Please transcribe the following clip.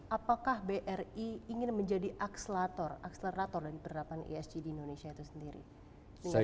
apakah bri ingin menjadi akselator akselerator dari penerapan esg di indonesia itu sendiri